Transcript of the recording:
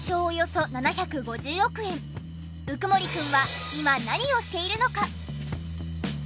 およそ７５０億円鵜久森くんは今何をしているのか？